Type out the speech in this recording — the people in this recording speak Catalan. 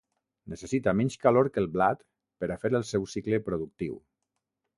Necessita menys calor que el blat per a fer el seu cicle productiu.